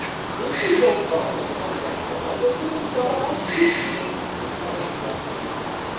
'If you don't come, and come now, by the living God, I'll shoot you!' cried the captain.